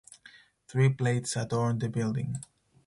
Three plates adorn the building.